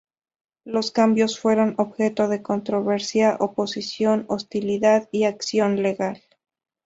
Los cambios fueron objeto de controversia, oposición, hostilidad y acción legal.